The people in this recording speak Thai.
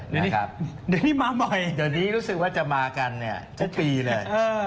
เดี๋ยวนี้มาบ่อยเดี๋ยวนี้รู้สึกว่าจะมากันทุกปีเลย